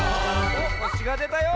おっほしがでたよ！